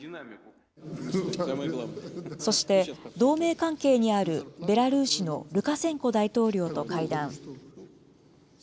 そして、同盟関係にあるベラルーシのルカシェンコ大統領と会談。